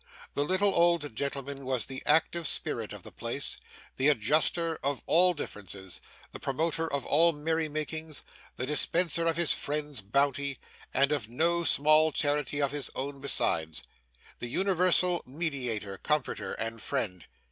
The little old gentleman was the active spirit of the place, the adjuster of all differences, the promoter of all merry makings, the dispenser of his friend's bounty, and of no small charity of his own besides; the universal mediator, comforter, and friend.